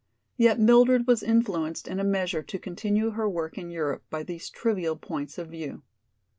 Yet Mildred was influenced in a measure to continue her work in Europe by these trivial points of view.